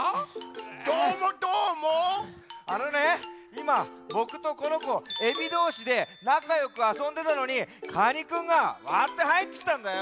いまボクとこのこエビどうしでなかよくあそんでたのにカニくんがわってはいってきたんだよ。